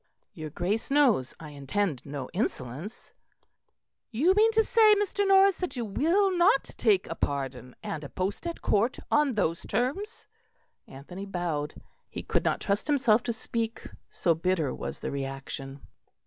"Your Grace knows I intend no insolence." "You mean to say, Mr. Norris, that you will not take a pardon and a post at Court on those terms?" Anthony bowed; he could not trust himself to speak, so bitter was the reaction.